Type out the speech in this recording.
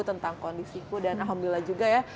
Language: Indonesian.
tentang kondisiku dan alhamdulillah juga ya